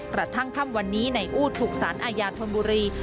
กระทั่งค่ำวันนี้นายอู้ดถูกสารอาญาธนบุรี